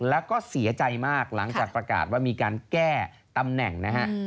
แล้วก็เสียใจมากหลังจากประกาศว่ามีการแก้ตำแหน่งนะฮะ